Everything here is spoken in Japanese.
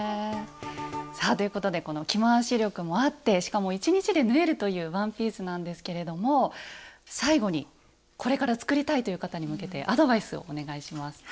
さあということでこの着回し力もあってしかも１日で縫えるというワンピースなんですけれども最後にこれから作りたいという方に向けてアドバイスをお願いします。